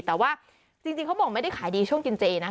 แต่ว่าจริงเขาบอกไม่ได้ขายดีช่วงกินเจนะ